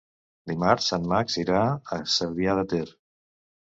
Dimarts en Max irà a Cervià de Ter.